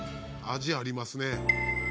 味ありますね。